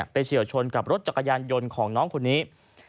เฉียวชนกับรถจักรยานยนต์ของน้องคนนี้